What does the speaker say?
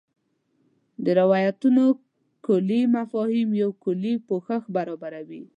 د روایتونو کُلي مفاهیم یو کُلي پوښښ برابروي.